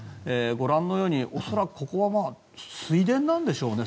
ご覧のように恐らくここは水田なんでしょうね。